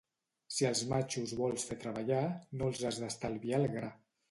Si els matxos vols fer treballar, no els has d'estalviar el gra.